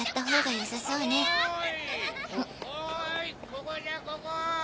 ここじゃここ！